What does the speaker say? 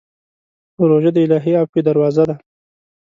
روژه د الهي عفوې دروازه ده.